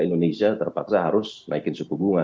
indonesia terpaksa harus naikin suku bunga